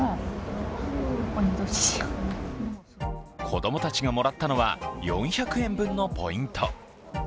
子供たちがもらったのは４００円分のポイント。